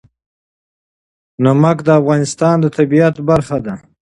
نمک د افغانستان د طبیعت برخه ده.